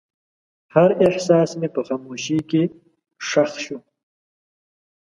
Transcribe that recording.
هر احساس مې په خاموشۍ کې ښخ شو.